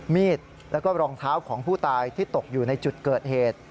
มีดแล้วก็รองเท้าของผู้ตายที่ตกอยู่ในจุดเกิดเหตุ